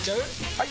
・はい！